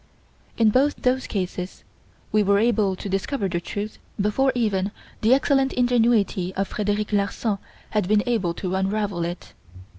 In both those cases we were able to discover the truth long before even the excellent ingenuity of Frederic Larsan had been able to unravel it.